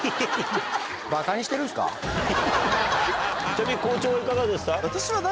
ちなみに校長はいかがですか？